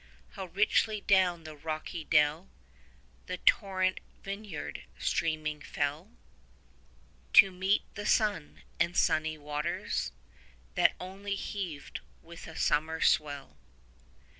How richly down the rocky dell The torrent vineyard streaming fell 10 To meet the sun and sunny waters, That only heaved with a summer swell.